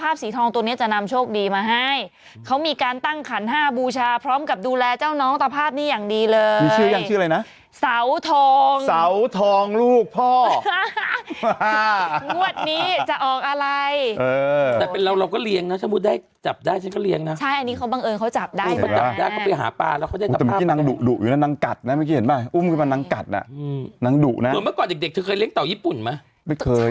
พระยายเย็นน่ะคุณแม่ก็โทรหาเขาเอาเลยพระยายเย็นน่ะคุณแม่ก็โทรหาเขาเอาเลยพระยายเย็นน่ะคุณแม่ก็โทรหาเขาเอาเลยพระยายเย็นน่ะคุณแม่ก็โทรหาเขาเอาเลยพระยายเย็นน่ะคุณแม่ก็โทรหาเขาเอาเลยพระยายเย็นน่ะคุณแม่ก็โทรหาเขาเอาเลยพระยายเย็นน่ะคุณแม่ก็โทรหาเขาเอาเลยพระยาย